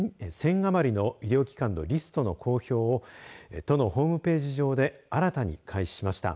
余りの医療機関のリストの公表を都のホームページ上で新たに開始しました。